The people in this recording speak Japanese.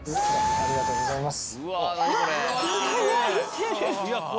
ありがとうございます。